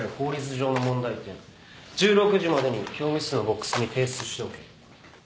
１６時までに教務室のボックスに提出しておけ。